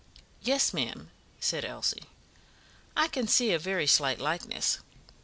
"Yes, ma'am," said Elsie. "I can see a very slight likeness.